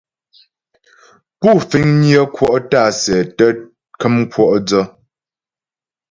Pú fiŋnyə kwɔ' tǎ'a sɛ tə́ kəm kwɔ' dsə.